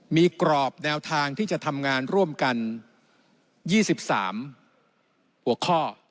มีกรอบแนวทางที่จะทำงานร่วมกัน๒๓หัวข้อ